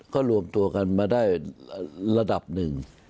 ก็รวมตัวกันมาได้ระดับหนึ่ง